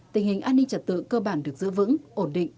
tình hình an ninh trật tự cơ bản được giữ vững ổn định